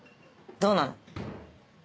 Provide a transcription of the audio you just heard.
「どうなの？」